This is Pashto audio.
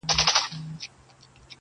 هر څه ته د غم سترګو ګوري او فکر کوي,